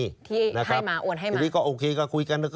ที่ให้มาโอนให้มาทีนี้ก็โอเคก็คุยกัน